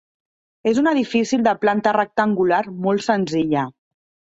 És un edifici de planta rectangular molt senzilla.